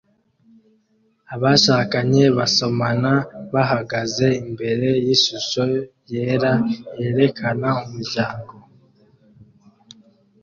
Abashakanye basomana bahagaze imbere yishusho yera yerekana umuryango